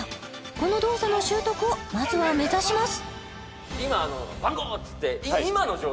この動作の習得をまずは目指します